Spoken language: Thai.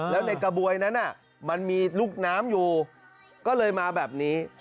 แล้วในกระบวยนั้นมันมีลูกน้ำอยู่ก็เลยมาแบบนี้